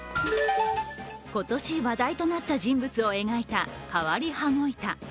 今年話題となった人物を描いた変わり羽子板。